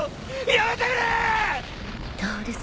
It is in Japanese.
やめてくれぇ！！